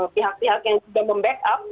pihak pihak yang sudah membackup